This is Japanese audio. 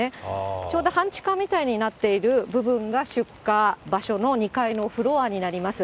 ちょうど半地下みたいになっている部分が出火場所の２階のフロアになります。